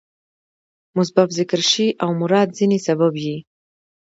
مسبب ذکر شي او مراد ځني سبب يي.